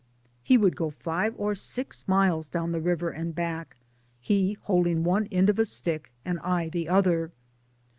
We would go five or six miles down the river, and back he holding one end of a stick and I the other.